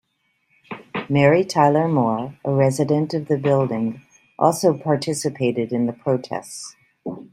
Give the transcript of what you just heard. Mary Tyler Moore, a resident of the building, also participated in the protests.